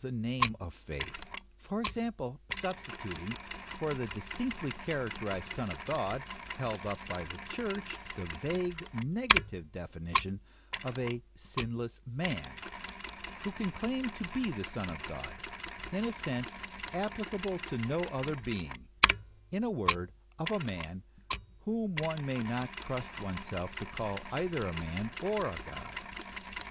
nothing which deserves the name of faith; for example, sub stituting for the distinctly characterized Son of God, held up by the Church, the vague negative definition of a Sinless Man, who can claim to be the Son of God in a sense applicable to no other being, in a word, of a man, whom one may not trust oneself to call either a man or a God.